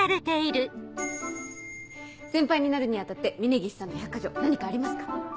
先輩になるに当たって峰岸さんの１００箇条何かありますか？